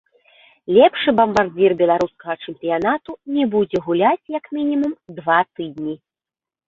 Лепшы бамбардзір беларускага чэмпіянату не будзе гуляць, як мінімум, два тыдні.